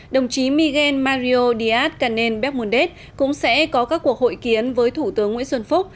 đồng chí miguel mario díaz canel becmundet cũng sẽ có các cuộc hội kiến với thủ tướng nguyễn xuân phúc